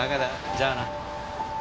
じゃあな。